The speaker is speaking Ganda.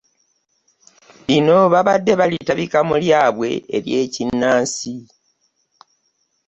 Lino babadde balitabika mu lyabwe ery'ekinnansi